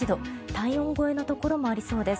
体温超えのところもありそうです。